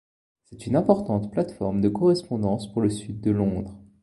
C'est une importante plate-forme de correspondance pour le Sud de Londres.